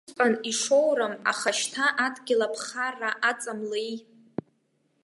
Усҟак ишоурам аха, шьҭа адгьыл аԥхарра аҵамлеи.